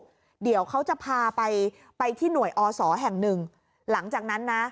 เดี๋ยวเขาจะพาไปไปที่หน่วยอศแห่งหนึ่งหลังจากนั้นนะ